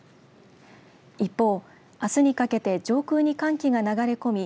一方、あすにかけて上空に寒気が流れ込み